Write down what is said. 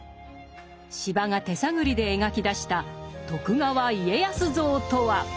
司馬が手探りで描き出した徳川家康像とは？